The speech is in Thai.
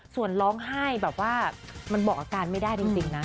ส่วนร้องไห้แบบว่ามันบอกอาการไม่ได้จริงนะ